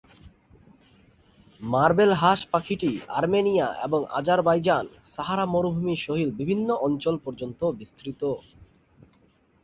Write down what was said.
Marble হাঁস পাখিটি Armenia এবং আজারবাইজান, সাহারা মরুভূমি, সহিল বিভিন্ন অঞ্চল পর্যন্ত বিস্তৃত।